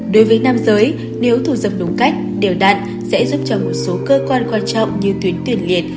đối với nam giới nếu thù dâm đúng cách điều đạn sẽ giúp cho một số cơ quan quan trọng như tuyến tuyển liệt